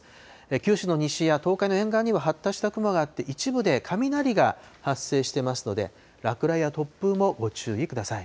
九州の西や東海の沿岸には発達した雲があって、一部で雷が発生してますので、落雷や突風もご注意ください。